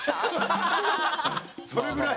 それぐらい。